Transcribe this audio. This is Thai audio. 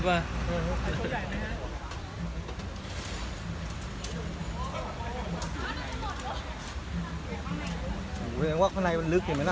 โอ้โหเหมือนว่าข้างในมันลึกเห็นมั้ยน่ะ